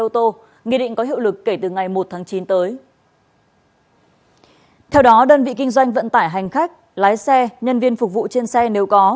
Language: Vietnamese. theo đó đơn vị kinh doanh vận tải hành khách lái xe nhân viên phục vụ trên xe nếu có